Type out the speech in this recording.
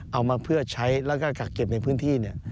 เอามาเพื่อใช้แล้วก็กักเก็บในพื้นที่เนี่ย